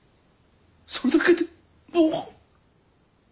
それだけでもう。